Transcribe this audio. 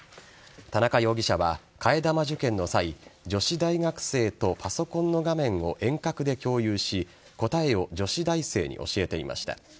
田中容疑者は替え玉受験の際女子大学生とパソコンの画面を遠隔で共有し答えを女子大生に教えていました。